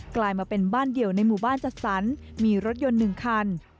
กลายมาเป็นบ้านเดียวในหมู่บ้านจัดสรรมีรถยนต์๑คัน